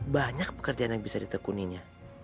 banyak pekerjaan yang bisa ditekuninya